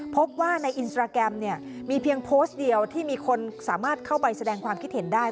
พบว่าในอินสตราแกรมเนี่ยมีเพียงโพสต์เดียวที่มีคนสามารถเข้าไปแสดงความคิดเห็นได้